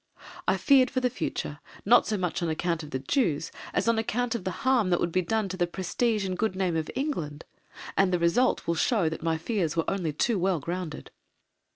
I feared for the future, not so much on account of the Jews, as on account of the harm that would be done to the prestige and good name of England, and the result will show that my fears were only too well grounded.